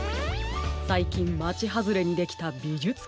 さいきんまちはずれにできたびじゅつかんですね。